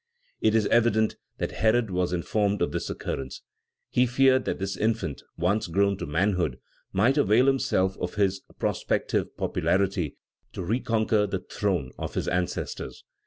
It is evident that Herod was informed of this occurrence. He feared that this infant, once grown to manhood, might avail himself of his prospective popularity to reconquer the throne of his ancestors.